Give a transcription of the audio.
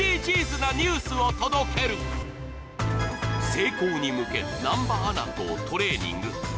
成功に向け、南波アナとトレーニング。